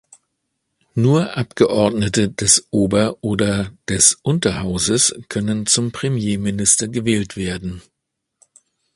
Nur Abgeordnete des Ober- oder des Unterhauses können zum Premierminister gewählt werden.